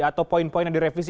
atau poin poin yang direvisi